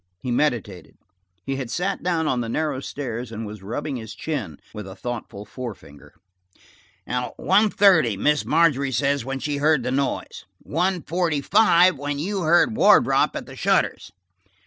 He meditated. He had sat down on the narrow stairs, and was rubbing his chin with a thoughtful forefinger. "One thirty, Miss Margery says, when she heard the noise. One forty five when you heard Wardrop at the shutters.